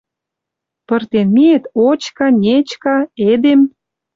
Пыртен миэт -очка, -нечка — эдем...»